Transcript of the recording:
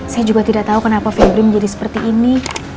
saya juga tidak tahu kenapa febri menjadi seperti ini